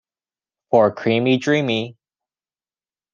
For creamy dreamy.